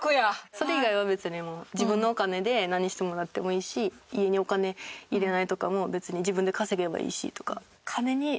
それ以外は別に自分のお金で何してもらってもいいし家にお金入れないとかも別に自分で稼げばいいしとか。